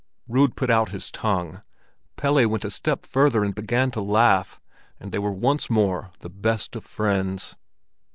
Rud put out his tongue, Pelle went a step further and began to laugh, and they were once more the best of friends.